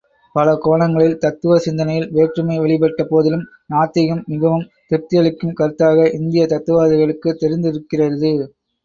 பல கோணங்களில் தத்துவ சிந்தனையில் வேற்றுமை வெளிப்பட்ட போதிலும் நாத்திகம் மிகவும் திருப்தியளிக்கும் கருத்தாக இந்திய தத்துவவாதிகளுக்குத் தெரிந்திருக்கிறது.